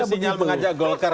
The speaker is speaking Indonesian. oh itu sinyal mengajak golkar